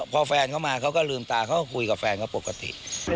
พอแฟนเขามาเขาก็ลืมตาเขาก็คุยกับแฟนเขาปกติ